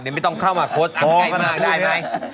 เดี๋ยวไม่ต้องเข้ามาโฆษอันไกลมากได้ไหม